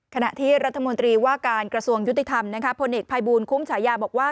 ขณะที่รัฐมนตรีว่าการกระทรวงยุติธรรมพลเอกภัยบูลคุ้มฉายาบอกว่า